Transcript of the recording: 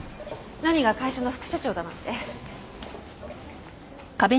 菜美が会社の副社長だなんて。